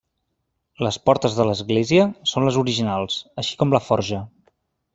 Les portes de l'església són les originals, així com la forja.